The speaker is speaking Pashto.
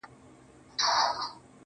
• اوس په فلسفه باندي پوهېږمه.